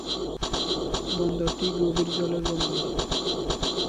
বন্দরটি গভীর জলের বন্দর।